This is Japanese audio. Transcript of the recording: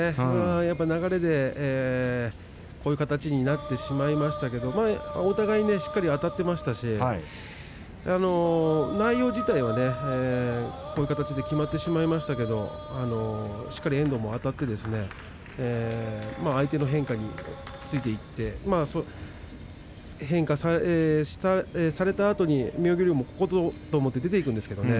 やっぱり流れでこういう形になってしまいましたけどお互いしっかりあたっていましたし内容自体はこういう形で決まってしまいましたけれどしっかり遠藤もあたって相手の変化についていって変化をされたあとに妙義龍もここと思って出ていくんですけどね